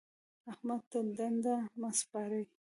احمد ته دنده مه سپارئ.